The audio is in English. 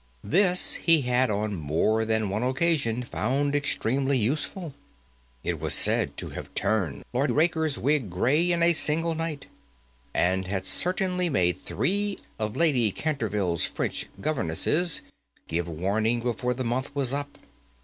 This he had on more than one occasion found extremely useful. It was said to have turned Lord Raker's wig grey in a single night, and had certainly made three of Lady Canterville's French governesses give warning before their month was up.